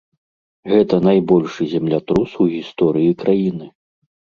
Гэта найбольшы землятрус у гісторыі краіны.